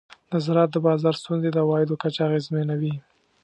د زراعت د بازار ستونزې د عوایدو کچه اغېزمنوي.